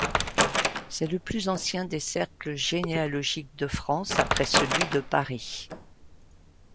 C'est le plus ancien des Cercles généalogiques de France, après celui de Paris.